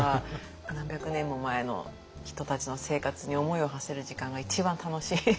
何百年も前の人たちの生活に思いをはせる時間が一番楽しいです。